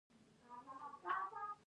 راغیستې مونږ پۀ سر باندې غمونه ټول پردي دي